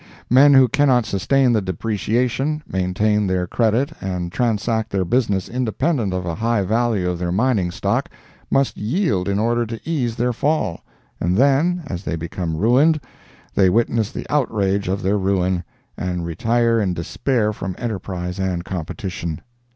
Men who cannot sustain the depreciation, maintain their credit and transact their business independent of a high value of their mining stock, must yield in order to ease their fall, and then, as they become ruined, they witness the outrage of their ruin, and retire in despair from enterprise and competition.